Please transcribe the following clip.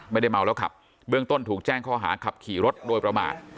ไม่ได้เมาแล้วขับเบื้องต้นถูกแจ้งข้อหาขับขี่รถโดยประมาท